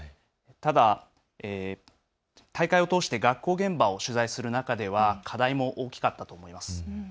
ただ大会を通して学校現場を取材する中では課題も大きかったと思います。